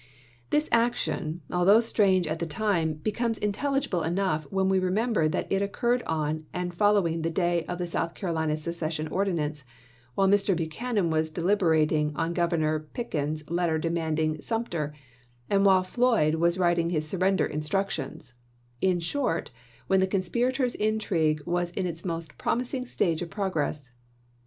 This action, although strange at the time, becomes intelligible enough when we re member that it occurred on and following the day of the South Carolina secession ordinance, while Mr. Buchanan was deliberating on Governor Pickens's letter demanding Sumtei*, and while Floyd was wilting his surrender instructions ; in short, when the conspirators' intrigue was in its most promis ing stage of progress.